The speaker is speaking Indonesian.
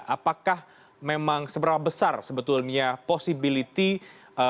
apakah memang seberapa besar sebetulnya posibilitas